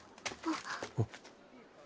あっ。